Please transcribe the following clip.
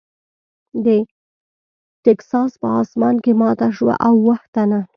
د ټیکساس په اسمان کې ماته شوه او اووه تنه .